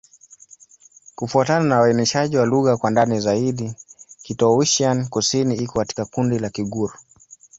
Kufuatana na uainishaji wa lugha kwa ndani zaidi, Kitoussian-Kusini iko katika kundi la Kigur.